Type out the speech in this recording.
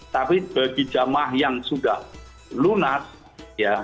tapi bagi jamaah yang sudah lunas ya